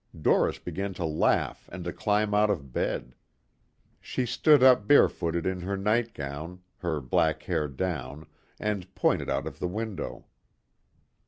Doris began to laugh and to climb out of bed. She stood up barefooted in her night gown, her black hair down and pointed out of the window.